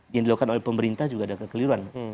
yang dilakukan oleh pemerintah juga ada kekeliruan